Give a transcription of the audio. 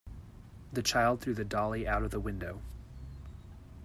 The child threw the dolly out of the window.